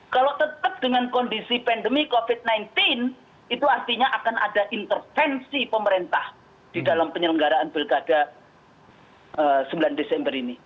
kalau tetap dengan kondisi pandemi covid sembilan belas itu artinya akan ada intervensi pemerintah di dalam penyelenggaraan pilkada sembilan desember ini